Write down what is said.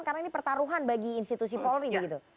karena ini pertaruhan bagi institusi polri